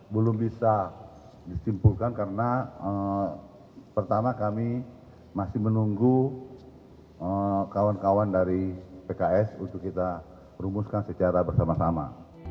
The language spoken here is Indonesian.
belum bisa disimpulkan karena pertama kami masih menunggu kawan kawan dari pks untuk kita rumuskan secara bersama sama